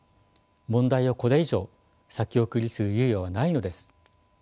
問題をこれ以上先送りする猶予はないのです。